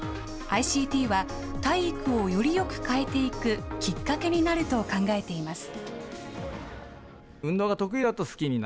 ＩＣＴは体育をよりよく変えていくきっかけになると考えています。